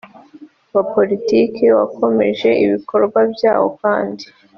Wa politiki wakomeje ibikorwa byawo kandi